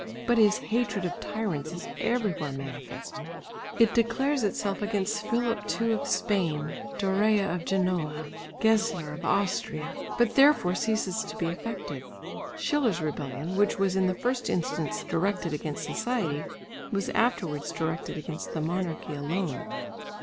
But his hatred of tyrants is everywhere manifest. It declares itself against Philip II of Spain, Dorea of Genoa, Gessler of Austria, but therefore ceases to be effective. Schiller's rebellion which was in the first instance directed against society, was afterwards directed against the monarchy alone.